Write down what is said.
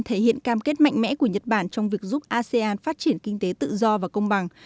thể hiện cam kết mạnh mẽ của nhật bản trong việc giúp asean phát triển kinh tế tự do và công bằng